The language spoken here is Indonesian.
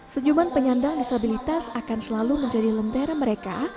senyuman penyandang disabilitas akan selalu menjadi lentera mereka